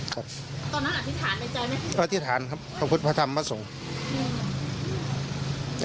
ตอนนั้นอธิษฐานในใจไหมอธิษฐานครับพระพุทธพระธรรมพระสงฆ์อืม